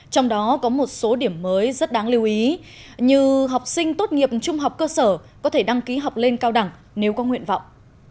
trong đó có một số điểm mới rất đáng lưu ý như học sinh tốt nghiệp trung học cơ sở có thể đăng ký học lên cao đẳng nếu có nguyện vọng